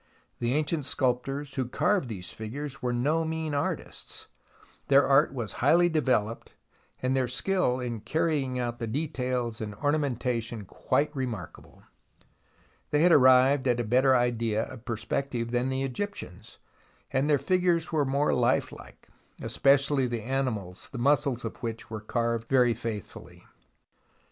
The ancient sculptors who carved these figures were no mean artists. Their art was highly developed, and their skill in carrying out the details and ornamentation quite remarkable. They had arrived at a better idea of perspective than the Egyptians, and their figures were more lifelike, especially the animals, the muscles of which were carved very faithfully.